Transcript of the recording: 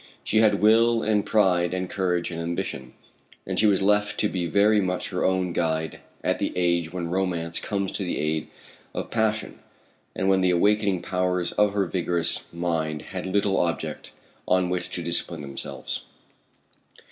She had will, and pride and courage and ambition, and she was left to be very much her own guide at the age when romance comes to the aid of passion, and when the awakening powers of her vigorous mind had little object on which to discipline themselves.